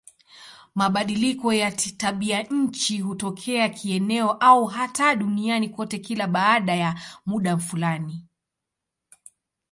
Mabadiliko ya tabianchi hutokea kieneo au hata duniani kote kila baada ya muda fulani.